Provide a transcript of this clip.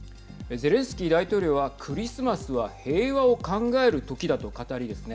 ゼレンスキー大統領はクリスマスは平和を考える時だと語りですね